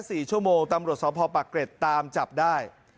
ก็แค่๔ชั่วโมงตำรวจสมภพปะเกร็ดตามจับได้